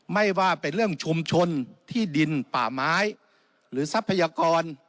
ไม่ว่าเป็นเรื่องชุมชนที่ดินป่าไม้หรือทรัพยากร